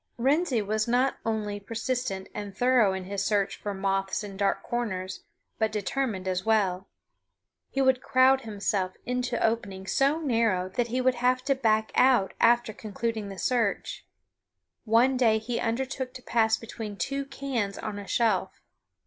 Wrensie was not only persistent and thorough in his search for moths in dark corners, but determined as well. He would crowd himself into openings so narrow that he would have to back out after concluding the search. One day he undertook to pass between two cans on a shelf.